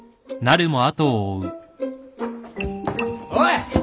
・おい！